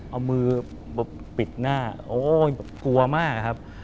เอามือปิดหน้าโอ้ยกลัวมากครับ